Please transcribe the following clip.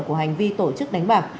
của hành vi tổ chức đánh bạc